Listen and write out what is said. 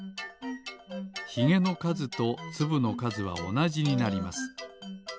ひげのかずとつぶのかずはおなじになります。